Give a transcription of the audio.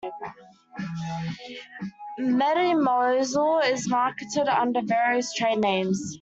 Metamizole is marketed under various trade names.